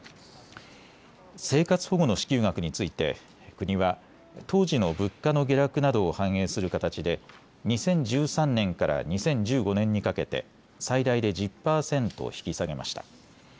生活保護の支給額について国は当時の物価の下落などを反映する形で２０１３年から２０１５年にかけて最大で１０％引き下げました。